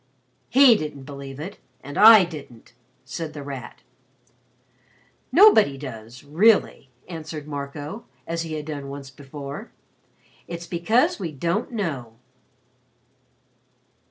"He didn't believe it, and I didn't," said The Rat. "Nobody does really," answered Marco, as he had done once before. "It's because we don't know."